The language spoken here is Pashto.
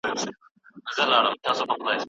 خو زموږ دروېش د خپلو باباګانو